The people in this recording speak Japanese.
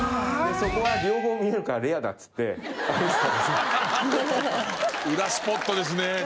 でそこは両方見えるからレアだっつって歩いてたんですよ。